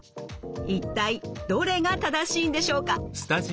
一体どれが正しいんでしょうか？